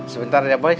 sebentar ya boy